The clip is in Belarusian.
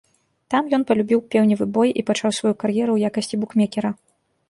Там ён палюбіў пеўневы бой і пачаў сваю кар'еру ў якасці букмекера.